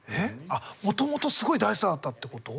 あっもともとすごい大スターだったってこと？